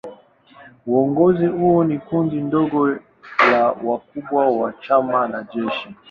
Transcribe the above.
Uongozi huo ni kundi dogo la wakubwa wa chama na jeshi.